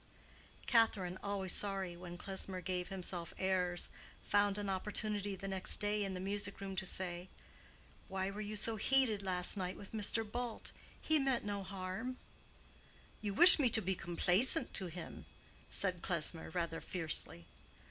Catherine, always sorry when Klesmer gave himself airs, found an opportunity the next day in the music room to say, "Why were you so heated last night with Mr. Bult? He meant no harm." "You wish me to be complaisant to him?" said Klesmer, rather fiercely.